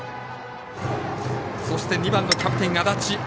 そして、２番のキャプテン、安達。